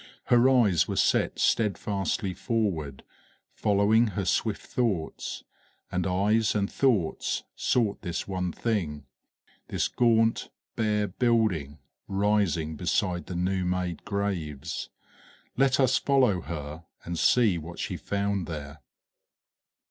Her eyes were set steadfastly forward, following her swift thoughts; and eyes and thoughts sought this one thing, this gaunt, bare building rising beside the new made graves. Let us follow her and see what she found there.